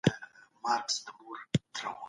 يو منظم پلان جوړ کړئ.